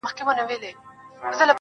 ددې نړۍ وه ښايسته مخلوق ته.